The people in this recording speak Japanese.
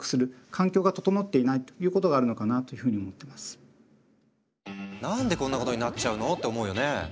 あるいは何でこんなことになっちゃうのって思うよね？